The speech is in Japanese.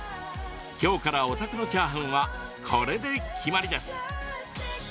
きょうからお宅のチャーハンはこれで決まりです。